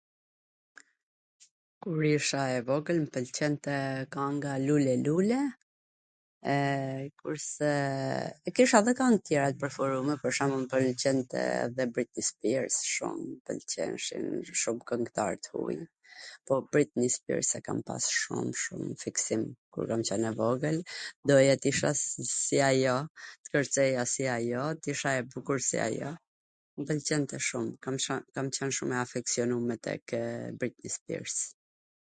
Kur isha e vogwl, m pwlqente kwnga Lule lule, kurse kisha dhe kang tw tjera t preferume, pwr shembull mw pwlqente dhe Britni Spirs shum m pwlqejshin shum kwngtar t huj, po Britni Spirs e kam pas shum shum fiksim kur kam qwn e vogwl, doja t isha si ajo, t kwrceja si ajo, t isha e bukur si ajo, mw pwlqente shum, kam qwn shum e afeksionume tekw Britni Spirs.